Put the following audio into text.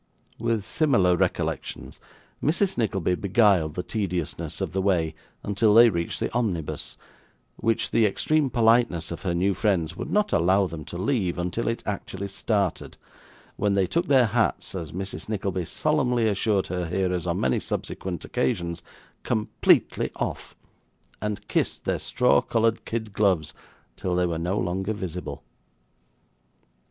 With similar recollections Mrs. Nickleby beguiled the tediousness of the way, until they reached the omnibus, which the extreme politeness of her new friends would not allow them to leave until it actually started, when they took their hats, as Mrs. Nickleby solemnly assured her hearers on many subsequent occasions, 'completely off,' and kissed their straw coloured kid gloves till they were no longer visible.